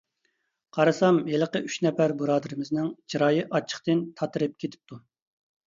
قارىسام ھېلىقى ئۈچ نەپەر بۇرادىرىمنىڭ چىرايى ئاچچىقتىن تاتىرىپ كېتىپتۇ.